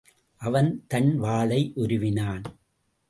அவன் தன் வாளை உருவினான்.